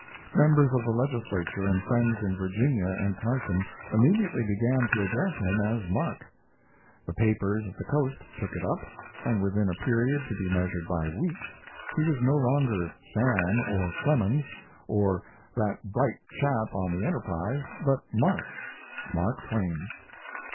Members of the legislature and friends in Virginia and Carson immediately began to address him as "Mark." The papers of the Coast took it up, and within a period to be measured by weeks he was no longer "Sam" or "Clemens" or "that bright chap on the Enterprise," but "Mark" "Mark Twain."